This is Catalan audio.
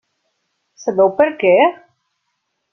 Sabeu per què?